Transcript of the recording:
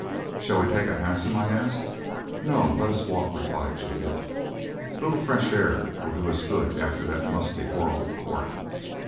"Shall we take a hansom?" I asked. "No; let us walk," replied Juliet; "a little fresh air will do us good after that musty, horrible court.